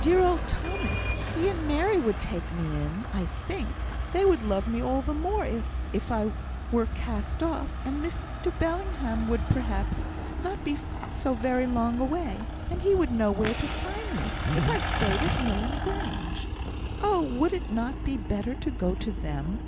"Dear old Thomas! He and Mary would take me in, I think; they would love me all the more if I were cast off. And Mr Bellingham would, perhaps, not be so very long away; and he would know where to find me if I stayed at Milham Grange. Oh, would it not be better to go to them?